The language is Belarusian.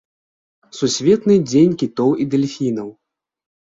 Сусветны дзень кітоў і дэльфінаў.